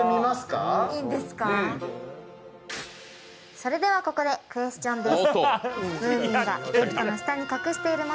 それではここでクエスチョンです。